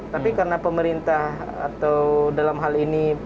tapi karena pemerintah atau dalam hal ini